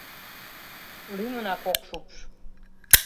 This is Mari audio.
Лӱмынак ок шупш.